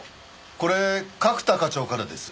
これ角田課長からです。